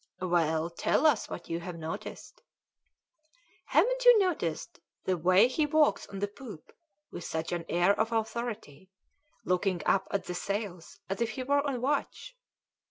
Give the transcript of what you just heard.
"Well, tell us what you've noticed." "Haven't you noticed the way he walks on the poop with such an air of authority, looking up at the sails as if he were on watch?"